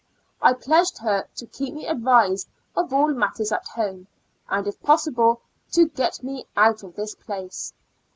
I pledged her to keep me advised of all matters at home, and if possible to get me out of this place.